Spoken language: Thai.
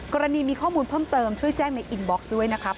กรณีมีข้อมูลเพิ่มเติมช่วยแจ้งในอินบ็อกซ์ด้วยนะครับ